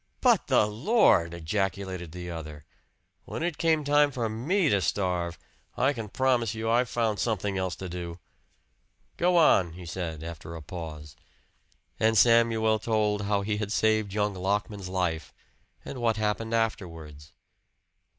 "But the Lord!" ejaculated the other. "When it came time for ME to starve, I can promise you I found something else to do!" "Go on," he said after a pause; and Samuel told how he had saved young Lockman's life, and what happened afterwards.